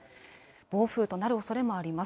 暴風となるおそれもあります。